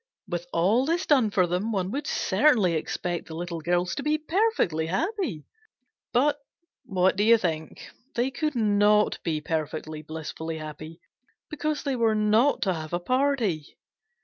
With all this done for them, one would certainly expect the Little Girls to be perfectly happy. But, what do you think? They could not be perfectly, blissfully happy, because they were not to have a party.